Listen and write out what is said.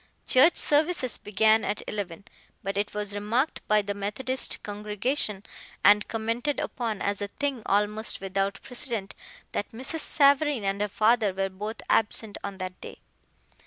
Church services began at eleven, but it was remarked by the Methodist congregation, and commented upon as a thing almost without precedent, that Mrs. Savareen and her father were both absent on that day.